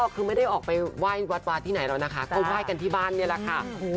คือไม่ได้ออกไปไหว้วัดวาที่ไหนแล้วนะคะก็ไหว้กันที่บ้านนี่แหละค่ะ